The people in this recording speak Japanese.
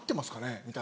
みたいな。